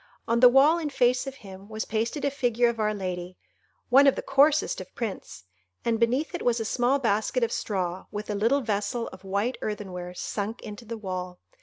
On the wall in face of him was pasted a figure of Our Lady—one of the coarsest of prints—and beneath it was a small basket of straw, with a little vessel of white earthenware sunk into the wall.